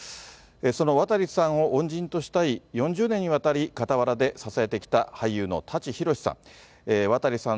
その渡さんを恩人と慕い、４０年にわたり傍らで支えてきた、俳優の舘ひろしさん。